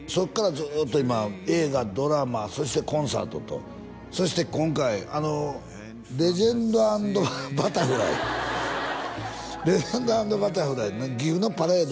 ずっと今映画ドラマそしてコンサートとそして今回「レジェンド＆バタフライ」「レジェンド＆バタフライ」な岐阜のパレード